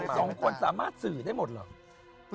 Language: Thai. สองคนสามารถสื่อได้หมดเหรอ